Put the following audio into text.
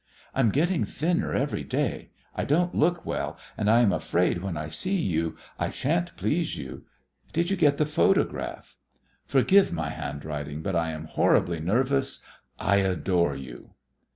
"I'm getting thinner every day. I don't look well, and I am afraid when I see you I shan't please you. Did you get the photograph? "Forgive my handwriting, but I am horribly nervous. I adore you."